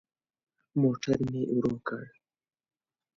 موټر مي ورو کړ .